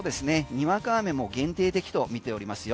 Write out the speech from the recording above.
にわか雨も限定的と見ておりますよ。